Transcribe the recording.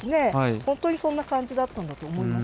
本当にそんな感じだったんだと思います。